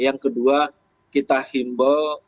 yang kedua kita himbo